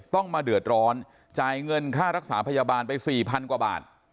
ต้องมาเดือดร้อนจ่ายเงินค่ารักษาพยาบาลไป๔๐๐กว่าบาท